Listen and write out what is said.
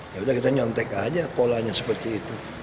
yaudah kita nyontek aja polanya seperti itu